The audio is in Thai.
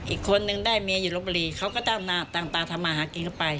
อีกคนนึงได้เมียอยู่รบรีเขาก็ตั้งต่างทำอาหารกินกันไป